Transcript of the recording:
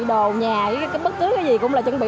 đồ nhà cái bất cứ cái gì cũng là chuẩn bị